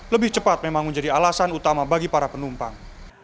lebih cepat memang menjadi alasan utama bagi para penumpang